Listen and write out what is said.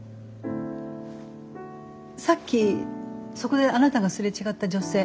さっきそこであなたが擦れ違った女性。